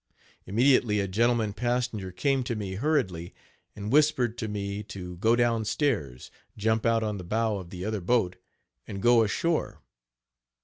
Immediately a gentleman passenger came to me hurriedly, and whispered to me to go down stairs, jump out on the bow of the other boat, and go ashore.